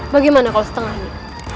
bagaimana kalau setengahnya